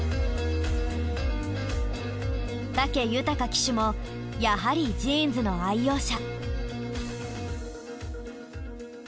武豊騎手もやはりジーンズの愛用者。